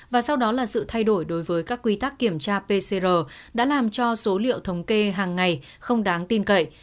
và sau đó là sự thay đổi đối với các quy tắc kiểm tra pcr đã làm cho số liệu thống kê hàng ngày không đáng tin cậy